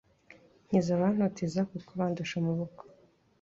Nkiza abantoteza kuko bandusha amaboko